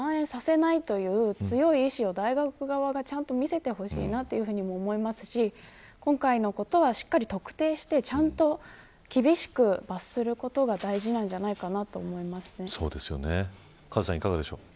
それを大学でまん延させないという強い意志を、大学側がちゃんと見せてほしいなと思いますし今回のことはしっかりと特定してちゃんと厳しく罰することがカズさん、いかがですか。